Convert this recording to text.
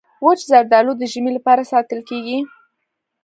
وچ زردالو د ژمي لپاره ساتل کېږي.